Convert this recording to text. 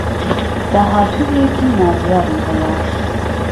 داهاتوویێکی نادیاری هەیە